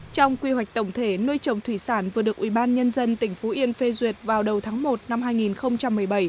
trong quy hoạch tổng thể nuôi trồng thủy sản vừa được ubnd tỉnh phú yên phê duyệt vào đầu tháng một năm hai nghìn một mươi bảy